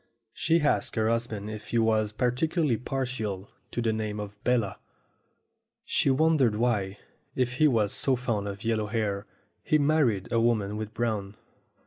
She asked her husband if he was particularly partial to the name of Bella. She won dered why, if he was so fond of yellow hair, he married a woman with brown.